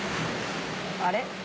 あれ？